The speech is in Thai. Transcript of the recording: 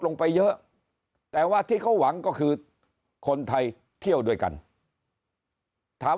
ไปเยอะแต่ว่าที่เขาหวังก็คือคนไทยเที่ยวด้วยกันถาม